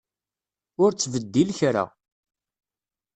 Ur ttbeddil kra.